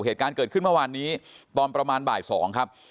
เหตุการณ์เกิดขึ้นเมื่อวานนี้ตอนประมาณบ่าย๒ครับ